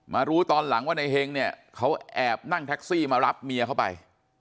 รู้ตอนหลังว่าในเฮงเนี่ยเขาแอบนั่งแท็กซี่มารับเมียเข้าไป